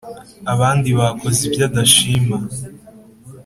abandi bakoze ibyo adashima